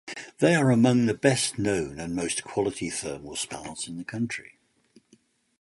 They are among the best known and most quality thermal spas in the country.